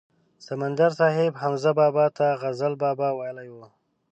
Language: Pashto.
سمندر صاحب حمزه بابا ته غزل بابا ویلی و.